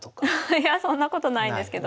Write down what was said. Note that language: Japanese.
いやそんなことないですけど。